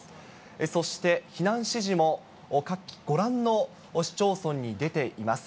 そして避難指示もご覧の市町村に出ています。